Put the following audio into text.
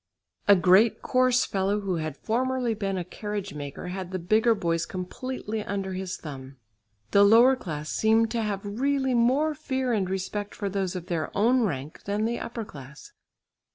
A great coarse fellow who had formerly been a carriage maker had the bigger boys completely under his thumb. The lower class seem to have really more fear and respect for those of their own rank than the upper class.